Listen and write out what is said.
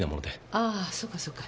あぁそうかそうか。